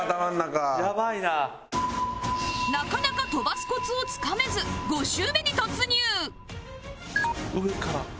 なかなか飛ばすコツをつかめず５周目に突入